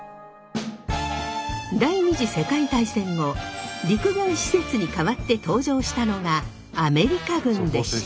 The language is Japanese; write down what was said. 第２次世界大戦後陸軍施設に代わって登場したのがアメリカ軍でした。